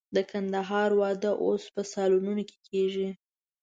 د کندهار واده اوس په سالونونو کې کېږي.